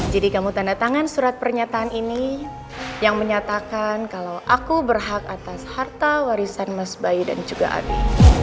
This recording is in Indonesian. jadi kamu tanda tangan surat pernyataan ini yang menyatakan kalau aku berhak atas harta warisan mas bayu dan juga ade